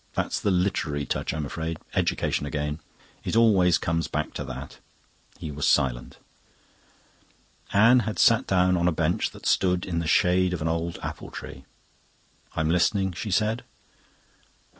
That's the literary touch, I'm afraid. Education again. It always comes back to that." He was silent. Anne had sat down on a bench that stood in the shade of an old apple tree. "I'm listening," she said.